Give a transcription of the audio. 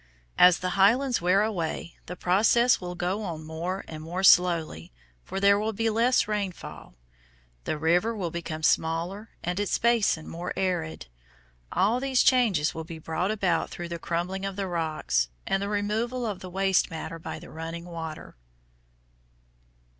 As the highlands wear away the process will go on more and more slowly, for there will be less rainfall. The river will become smaller and its basin more arid. All these changes will be brought about through the crumbling of the rocks, and the removal of the waste matter by the running water.